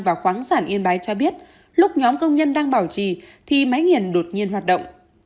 và khoáng sản yên bái cho biết lúc nhóm công nhân đang bảo trì thì máy nghiền đột nhiên hoạt động